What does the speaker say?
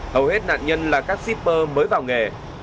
hầu hết nạn nhân là các shipper mới vào nghề